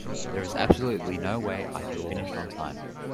There is absolutely no way I can finish on time.